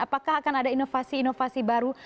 apakah akan ada inovasi inovasi baru